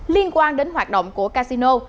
liên quan đến hoạt động của casino